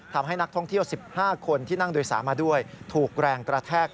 ทำให้นักท่องเที่ยว๑๕คนที่นั่งโดยสารมาด้วยถูกแรงกระแทก